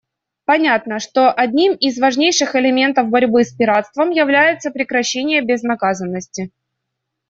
Понятно, что одним из важнейших элементов борьбы с пиратством является прекращение безнаказанности.